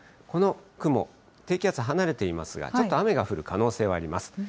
この雲、低気圧が離れていますが、ちょっと雨が降る可能性はあります。